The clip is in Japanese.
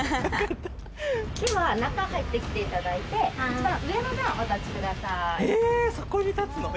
中入って来ていただいて一番上の段お立ちください。え！